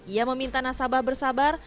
ia meminta nasabah bersabar